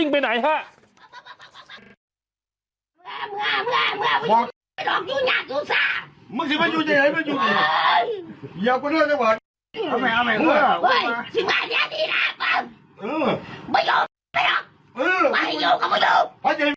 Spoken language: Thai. งั้นยังไง